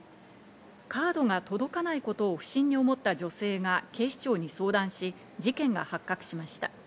カードが届かないことを不審に思った女性が警視庁に相談し、事件が発覚しました。